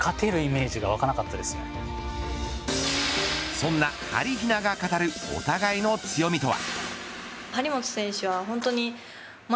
そんなはりひなが語るお互いの強みとは。